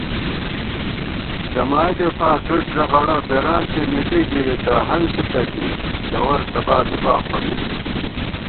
جمائیدے فار ݫُد ݫغڑہ بېرانتے مِلی گِرِتہ ہنسِتہ بی گوَر تبا بِبا خو نئ